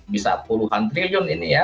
bisa puluhan triliun ini ya